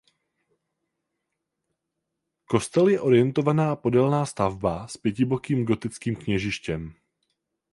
Kostel je orientovaná podélná stavba s pětibokým gotickým kněžištěm.